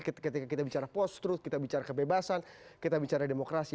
ketika kita bicara post truth kita bicara kebebasan kita bicara demokrasi